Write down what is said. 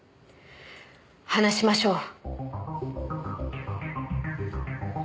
話しましょう。